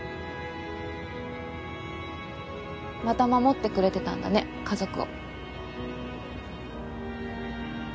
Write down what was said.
また守ってくれてたんだね家族を。